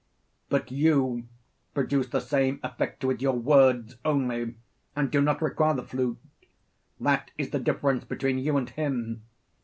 But you produce the same effect with your words only, and do not require the flute: that is the difference between you and him.